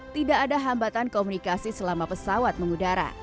tidak ada hambatan komunikasi selama pesawat mengudara